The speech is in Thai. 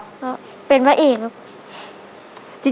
เพราะเป็นพระเอกครับ